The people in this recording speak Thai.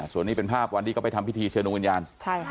ส่วนนี้เป็นภาพวันที่เขาไปทำพิธีเชิญดวงวิญญาณ